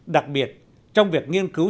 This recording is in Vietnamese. đặc biệt trong việc nghiên cứu